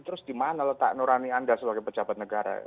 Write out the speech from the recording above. terus di mana letak nurani anda sebagai pejabat negara